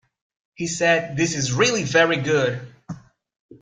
He said 'This is really very good.